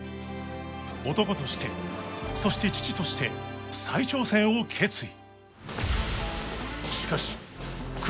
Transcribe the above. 男としてそして父として再挑戦を決意